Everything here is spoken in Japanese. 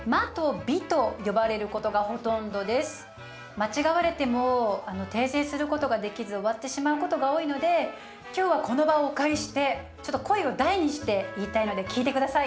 間違われても訂正することができず終わってしまうことが多いので今日はこの場をお借りしてちょっと声を大にして言いたいので聞いて下さい。